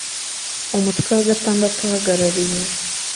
umutwe wa gatandatu uhagarariye